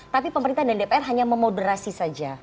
tapi pemerintah dan dpr hanya memoderasi saja